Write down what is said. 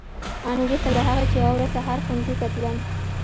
آن وروسته له هغه چې یوه ورځ سهار ښوونځي ته تلم.